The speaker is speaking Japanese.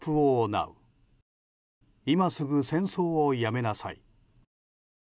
「今すぐ戦争をやめなさい」。